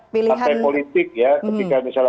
partai politik ya ketika misalnya